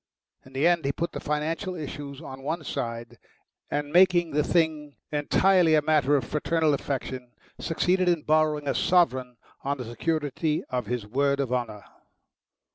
In the end he put the financial issues on one side, and, making the thing entirely a matter of fraternal affection, succeeded in borrowing a sovereign on the security of his word of honour.